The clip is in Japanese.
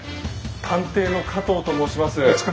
探偵の加藤と申します。